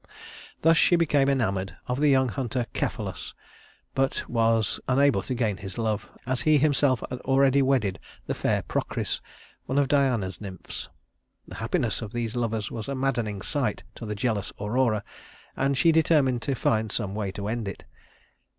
Thus she became enamored of the young hunter Cephalus, but was unable to gain his love, as he himself had already wedded the fair Procris, one of Diana's nymphs. The happiness of these lovers was a maddening sight to the jealous Aurora, and she determined to find some way to end it.